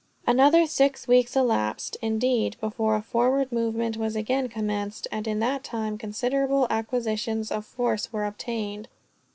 Another six weeks elapsed, indeed, before a forward movement was again commenced; and in that time considerable acquisitions of force were obtained.